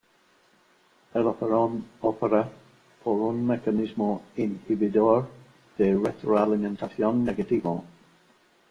El operón opera por un mecanismo inhibidor de retroalimentación negativo.